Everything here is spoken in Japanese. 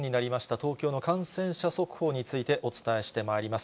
東京の感染者速報について、お伝えしてまいります。